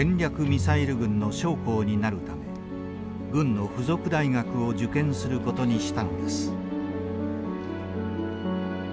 ミサイル軍の将校になるため軍の付属大学を受験することにしたのです。